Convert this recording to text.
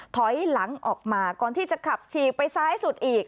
ถอยหลังออกมาก่อนที่จะขับฉีกไปซ้ายสุดอีก